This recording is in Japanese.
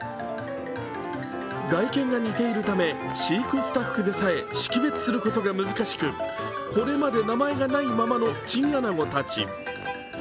外見が似ているため飼育スタッフでさえ識別することが難しくこれまで名前がないままのチンアナゴたち。